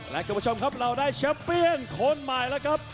และคุณผู้ชมครับเราได้แชมเปียนคนใหม่แล้วครับ